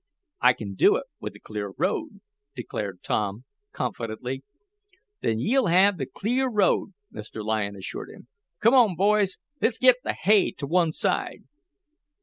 "I can do it with a clear road," declared Tom, confidently. "Then ye'll have th' clear road," Mr. Lyon assured him. "Come boys, let's git th' hay t' one side."